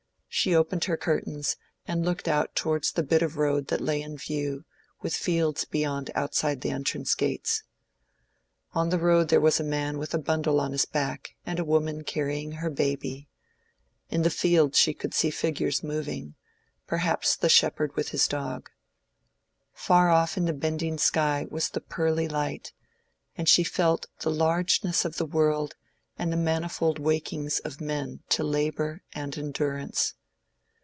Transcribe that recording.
She opened her curtains, and looked out towards the bit of road that lay in view, with fields beyond outside the entrance gates. On the road there was a man with a bundle on his back and a woman carrying her baby; in the field she could see figures moving—perhaps the shepherd with his dog. Far off in the bending sky was the pearly light; and she felt the largeness of the world and the manifold wakings of men to labor and endurance.